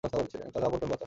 চাচা আপন প্রাণ বাঁচা।